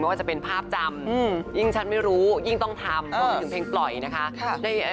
ว่าจะเป็นภาพจำยิ่งฉันไม่รู้ยิ่งต้องทำรวมไปถึงเพลงปล่อยนะคะ